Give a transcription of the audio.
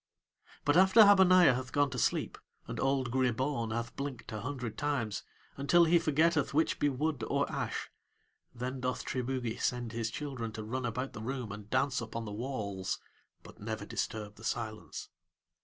But after Habaniah hath gone to sleep and old Gribaun hath blinked a hundred times, until he forgetteth which be wood or ash, then doth Triboogie send his children to run about the room and dance upon the walls, but never disturb the silence.